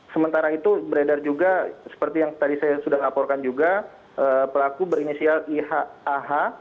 sementara itu beredar juga seperti yang tadi saya sudah laporkan juga pelaku berinisial iha